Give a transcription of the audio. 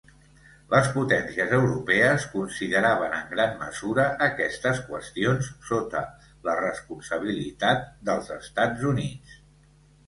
Les potències europees consideraven en gran mesura aquestes qüestions sota la responsabilitat dels Estats Units.